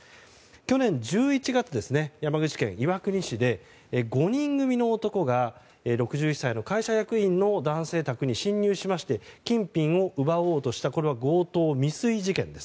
去年１１月、山口県岩国市で５人組の男が６１歳の会社役員の男性宅に侵入して金品を奪おうとしたこれは、強盗未遂事件です。